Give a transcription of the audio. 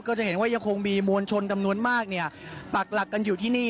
จะเห็นว่ายังคงมีมวลชนจำนวนมากเนี่ยปักหลักกันอยู่ที่นี่